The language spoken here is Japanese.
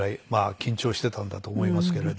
緊張してたんだと思いますけれど。